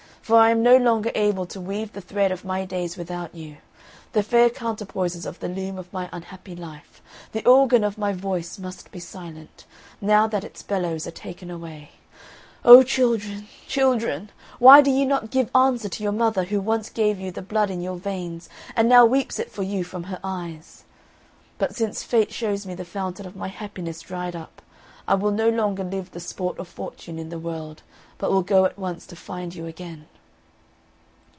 For I am no longer able to weave the thread of my days without you, the fair counterpoises of the loom of my unhappy life. The organ of my voice must be silent, now that its bellows are taken away. O children, children! why do ye not give answer to your mother, who once gave you the blood in your veins, and now weeps it for you from her eyes? But since fate shows me the fountain of my happiness dried up, I will no longer live the sport of fortune in the world, but will go at once to find you again!"